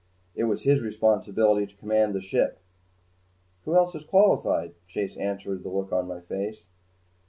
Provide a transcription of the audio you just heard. It was his responsibility to command the ship. "Who else is qualified?" Chase said answering the look on my face.